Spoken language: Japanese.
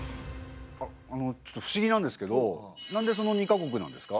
あのちょっと不思議なんですけどなんでその２か国なんですか？